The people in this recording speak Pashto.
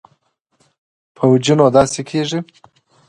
پوجي نو داسې کېږي.